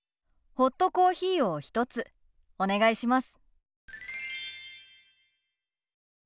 ホットコーヒーを１つお願いします。